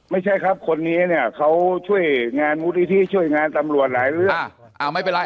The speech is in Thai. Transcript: ไม่ใช่ครับคนนี้เนี่ยเขาช่วยงานมูลนิธิช่วยงานตำรวจหลายเรื่องอ่าไม่เป็นไร